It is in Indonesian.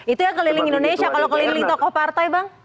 itu yang keliling indonesia kalau keliling tokoh partai bang